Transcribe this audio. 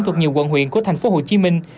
thuộc nhiều quận huyện của thành phố hồ chí minh